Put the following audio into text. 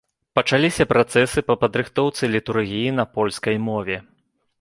Пачаліся працэсы па падрыхтоўцы літургіі на польскай мове.